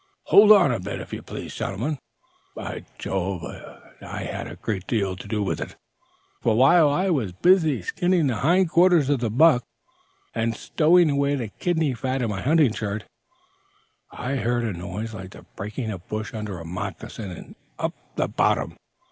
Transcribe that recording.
"Hold on a bit, if you please, gentlemen; by Jove, it had a great deal to do with it. For, while I was busy skinning the hind quarters of the buck, and stowing away the kidney fat in my hunting shirt, I heard a noise like the breaking of brush under a moccasin up 'the bottom.'